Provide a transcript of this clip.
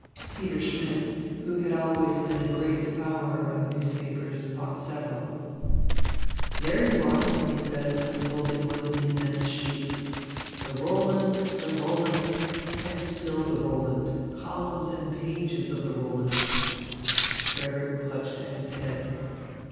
Peter Schmidt, who had always been a great devourer of newspapers, bought several. "There you are," he said, unfolding one of the immense sheets. "The Roland, the Roland, and still the Roland, columns and pages of the Roland." Frederick clutched at his head.